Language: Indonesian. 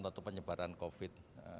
atau penyebaran covid sembilan belas